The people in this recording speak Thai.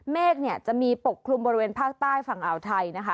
เมฆจะมีปกคลุมบริเวณภาคใต้ฝั่งอ่าวไทย